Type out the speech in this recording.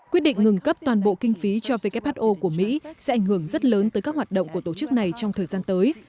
quyết định ngừng cấp toàn bộ kinh phí cho who của mỹ sẽ ảnh hưởng rất lớn tới các hoạt động của tổ chức này trong thời gian tới